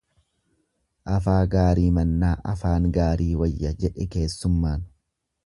Afaa gaarii mannaa afaan gaarii wayya jedhe keessummaan.